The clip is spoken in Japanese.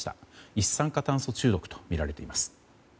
一酸化炭素中毒とみられています。